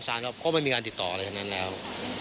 สายก็ไม่มีการติดต่อเลยทั้งนั้นแล้ว